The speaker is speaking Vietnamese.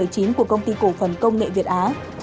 của công ty cổ phần công nghệ việt á